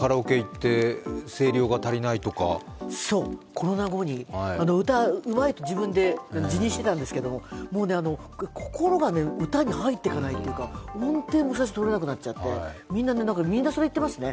コロナ後に、歌うまいと自分で、自認してたんですけどもう心が歌に入っていかないというか音程も取れなくなっちゃって、みんなそれ言ってますね。